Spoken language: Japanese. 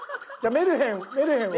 「メルヘン」を。